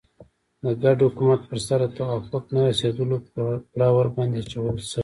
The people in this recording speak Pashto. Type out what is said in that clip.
د ګډ حکومت پر سر د توافق نه رسېدلو پړه ورباندې اچول شوې.